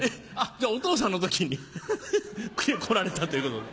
お父さんの時に来られたということで。